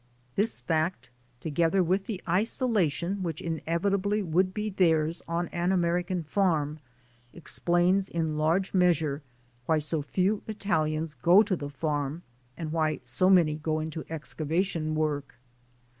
This fact, together with the isolation which inevitably would be theirs on an American farm, explains, in a large measure, why so few Italians go to the farm and why so many go into excavation work.